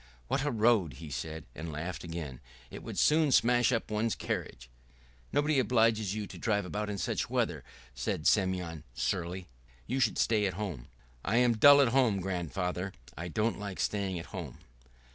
"What a road!" he said, and laughed again. "It would soon smash up one's carriage." "Nobody obliges you to drive about in such weather," said Semyon surlily. "You should stay at home." "I am dull at home, grandfather. I don't like staying at home."